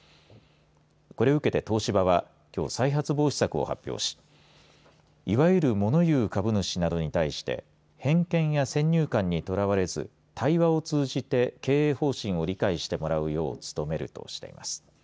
これを受けて東芝はきょう、再発防止策を発表しいわゆるモノ言う株主などに対して偏見や先入観にとらわれず対話を通じて経営方針を理解してもらうよう努めるとしています。